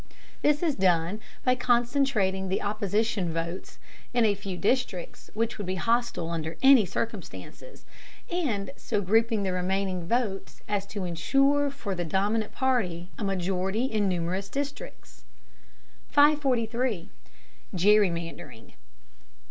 This is done by concentrating the opposition votes in a few districts which would be hostile under any circumstances, and so grouping the remaining votes as to insure for the dominant party a majority in numerous districts. 543. GERRYMANDERING.